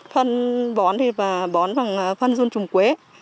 phân bón thì bón bằng phân run trùng quế